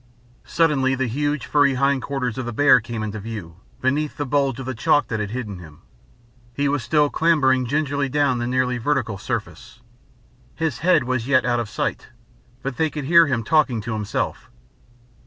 Suddenly the huge furry hind quarters of the bear came into view, beneath the bulge of the chalk that had hidden him. He was still clambering gingerly down the nearly vertical surface. His head was yet out of sight, but they could hear him talking to himself.